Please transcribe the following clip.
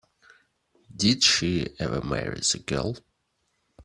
Did she ever marry the girl?